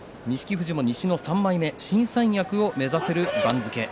富士も西の３枚目新三役を目指せる番付。